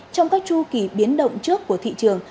trong các chu kỳ biến động trước của thị trường